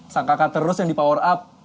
sang kakak terus yang dipower up